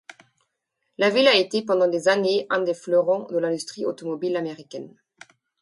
La ville a été pendant des années un des fleurons de l'industrie automobile américaine.